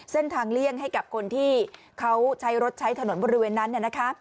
เส้นทางเลี่ยงให้กับคนที่เค้าใช้รถใช้ถนนบนเรือนนั้น